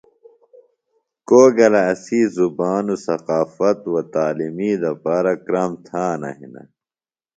کو گلہ اسی زبان و ثقافت و تعلیمی دپارہ کرام تھانہ ہِنہ۔